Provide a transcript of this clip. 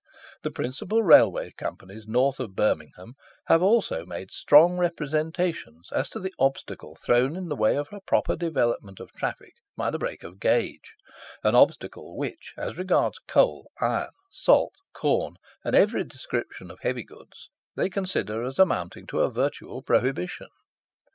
The principal Railway Companies north of Birmingham have also made strong representations as to the obstacle thrown in the way of a proper development of the traffic by the break of gauge; an obstacle which, as regards coal, iron, salt, corn, and every description of heavy goods, they consider as amounting to a virtual prohibition.